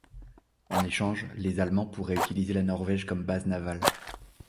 En échange, les Allemands pourraient utiliser la Norvège comme base navale.